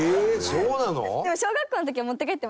そうなの？